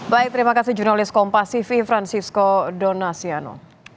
baik terima kasih jurnalis kompasifi francisco donasiano